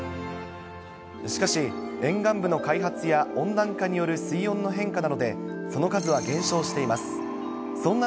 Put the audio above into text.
しかし、沿岸部の開発や、温暖化による水温の変化などで、その数は減少しています。